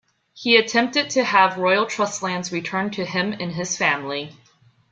He attempted to have royal trust lands returned to him and his family.